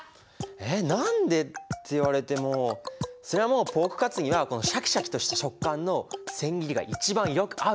えっ何でって言われてもそれはもうポークカツにはこのシャキシャキとした食感の千切りが一番よく合うからだよ。